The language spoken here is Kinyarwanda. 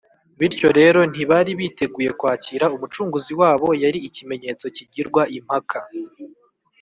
. Bityo rero ntibari biteguye kwakira Umucunguzi wabo. Yari ikimenyetso kigirwa impaka.